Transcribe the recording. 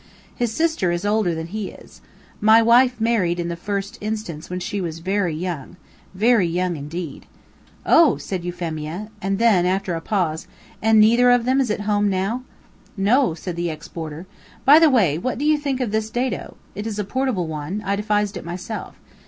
His sister is older than he is. My wife married in the first instance when she was very young very young in deed." "Oh!" said Euphemia; and then, after a pause, "And neither of them is at home now?" "No," said the ex boarder. "By the way, what do you think of this dado? It is a portable one; I devised it myself.